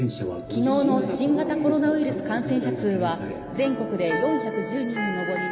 「昨日の新型コロナウイルス感染者数は全国で４１０人に上り」。